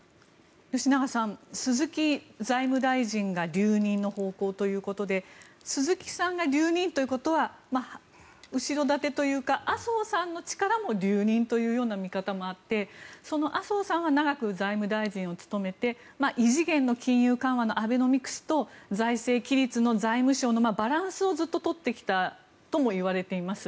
吉永さん、鈴木財務大臣が留任の方向ということで鈴木さんが留任ということは後ろ盾というか麻生さんの力も留任というような見方もあってその麻生さんは長く財務大臣を務めて異次元の金融緩和のアベノミクスと財政規律の財務省のバランスをずっと取ってきたともいわれています。